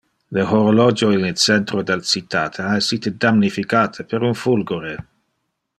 Le horologio in le centro del citate ha essite damnificate per un fulgure.